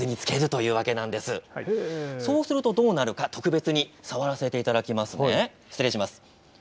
そうするとどうなるか、特別に触らせていただきます。